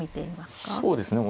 そうですね。